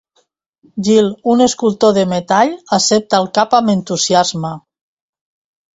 Jill, un escultor de metall, accepta el cap amb entusiasme.